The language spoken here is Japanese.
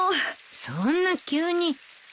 そんな急にあっ！